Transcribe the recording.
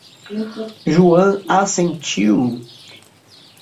Joan assentiu.